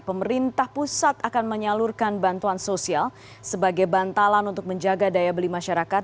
pemerintah pusat akan menyalurkan bantuan sosial sebagai bantalan untuk menjaga daya beli masyarakat